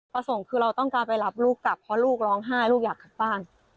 ประสงค์คือเราต้องการไปรับลูกกลับเพราะลูกร้องไห้ลูกอยากกลับบ้าน